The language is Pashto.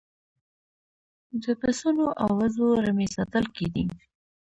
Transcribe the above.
د پسونو او وزو رمې ساتل کیدې